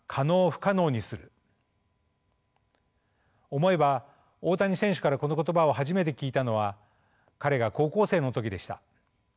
思えば大谷選手からこの言葉を初めて聞いたのは彼が高校生の時でした。